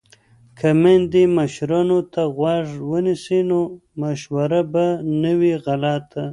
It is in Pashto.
که میندې مشرانو ته غوږ ونیسي نو مشوره به نه وي غلطه.